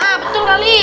ah betul rally